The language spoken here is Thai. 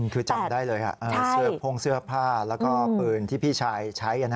คือจำได้เลยเสื้อพ่งเสื้อผ้าแล้วก็ปืนที่พี่ชายใช้